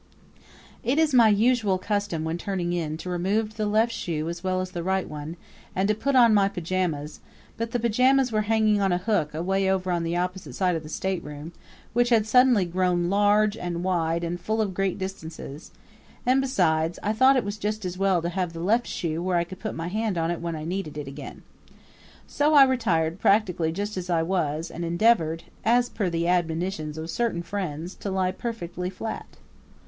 It is my usual custom when turning in to remove the left shoe as well as the right one and to put on my pajamas; but the pajamas were hanging on a hook away over on the opposite side of the stateroom, which had suddenly grown large and wide and full of great distances; and besides, I thought it was just as well to have the left shoe where I could put my hand on it when I needed it again. So I retired practically just as I was and endeavored, as per the admonitions of certain friends, to lie perfectly flat.